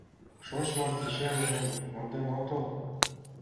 Шочмо кечемжым монден отыл?